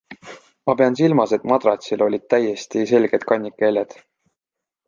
Ma pean silmas, et madratsil olid täiesti selged kannika jäljed.